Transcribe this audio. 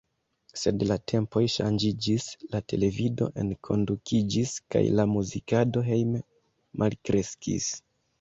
Sed la tempoj ŝanĝiĝis: la televido enkondukiĝis kaj la muzikado hejme malkreskis.